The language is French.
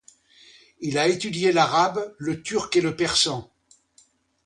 Il a étudié l'arabe, le turc et le persan.